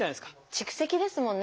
蓄積ですもんね。